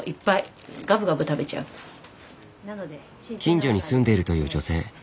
近所に住んでるという女性。